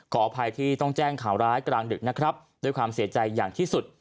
ขออภัยที่ต้องแจ้งข่าวร้ายกลางดึกนะครับด้วยความเสียใจอย่างที่สุด